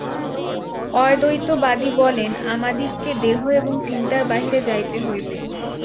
অদ্বৈতবাদী বলেন, আমাদিগকে দেহ এবং চিন্তার বাহিরে যাইতে হইবে।